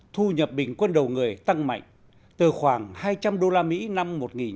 thu nhập bình quân đầu người tăng mạnh từ khoảng hai trăm linh usd năm một nghìn chín trăm bảy mươi